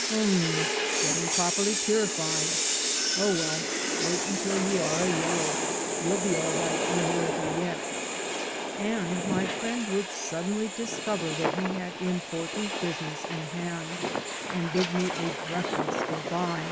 "Um, getting properly purified. Oh, well, wait until you are a yellow. You'll be all right in America yet." And my friend would suddenly discover that he had important business in hand and bid me a breathless good by.